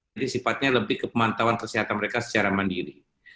jadi sifatnya lebih ke pemantauan kesehatan mereka secara mandiri